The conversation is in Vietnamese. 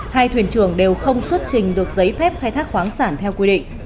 hai thuyền trưởng đều không xuất trình được giấy phép khai thác khoáng sản theo quy định